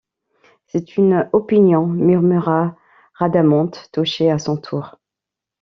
C’est une opinion, murmura Rhadamante touché à son tour.